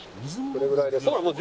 どれぐらいですか？